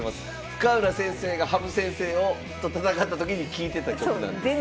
深浦先生が羽生先生と戦った時に聴いてた曲なんです。